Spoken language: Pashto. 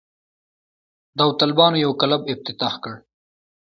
داوطلبانو یو کلب افتتاح کړ.